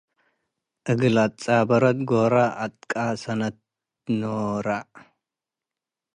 እግል አትጻበረት ጎረ አትቃሰነት ኖረ።